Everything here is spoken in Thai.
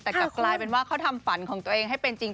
แต่กลับกลายเป็นว่าเขาทำฝันของตัวเองให้เป็นจริง